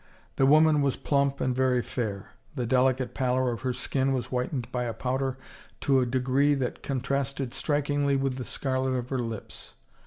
The woman was plump and very fair; the delicate pallor of her skin was whitened by powder to a degree that contrasted strikingly with the scarlet of her lips.